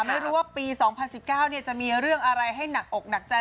ไม่รู้ว่าปี๒๐๑๙จะมีเรื่องอะไรให้หนักอกหนักใจ